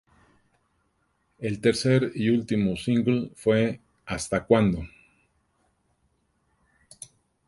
El tercer y último single fue "Hasta cuándo".